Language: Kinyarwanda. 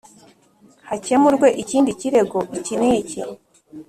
hakemurwe ikindi kirego iki n iki